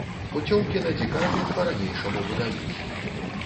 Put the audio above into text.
Пуцёўкі на дзіка тут па ранейшаму выдаюць.